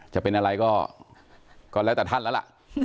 จะเป็นอะไรก็แล้วแต่ท่านแล้วล่ะ